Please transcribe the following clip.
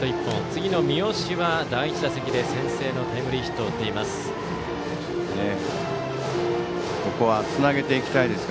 次の三好は第１打席で先制のタイムリーヒットを打っています。